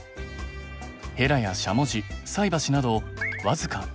ヘラやしゃもじ菜箸など僅か９点。